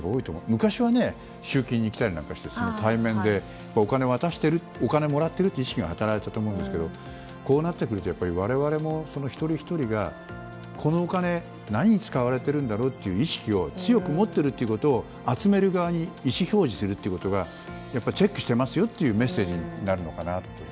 昔は、集金に来たりして対面でお金を渡しているもらっているという意識が働いていたと思うんですけどこうなってくると我々も一人ひとりが、このお金何に使われているんだろうっていう意識を強く持っているということを集める側に意思表示するということがチェックしていますよというメッセージになるのかなと。